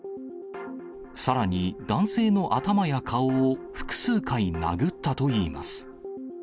さらに、男性の頭や顔を複数回殴ったといいます。